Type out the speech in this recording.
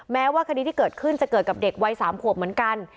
แม้ว่าคดีที่เกิดขึ้นจะเกิดกับเด็กวัย๓ขวบเหมือนกัน